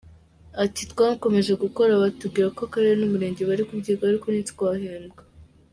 ati “Twakomeje gukora batubwira ko Akarere n’Umurenge bari kubyigaho, ariko ntitwahembwa.